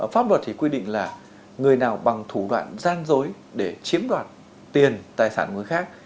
pháp luật thì quy định là người nào bằng thủ đoạn gian dối để chiếm đoạt tiền tài sản của người khác